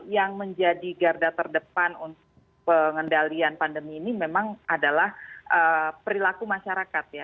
yang menjadi garda terdepan untuk pengendalian pandemi ini memang adalah perilaku masyarakat ya